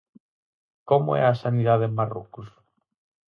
Como é a sanidade en Marrocos?